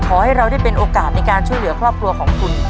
ขอให้เราได้เป็นโอกาสในการช่วยเหลือครอบครัวของคุณ